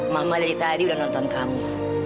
mama dari tadi udah nonton kami